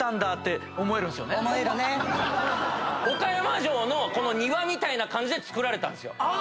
岡山城の庭みたいな感じで造られたんですよ。